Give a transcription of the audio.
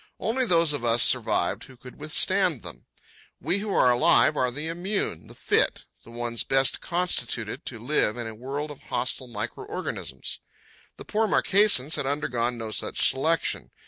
Only those of us survived who could withstand them. We who are alive are the immune, the fit—the ones best constituted to live in a world of hostile micro organisms. The poor Marquesans had undergone no such selection.